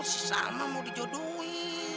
oh si salma mau dijodohi